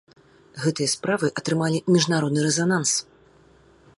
Гэтыя справы атрымалі міжнародны рэзананс.